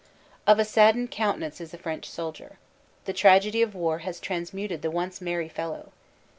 Of a saddened countenance is the French soldier. The tragedy of war has transmuted the once merry fellow.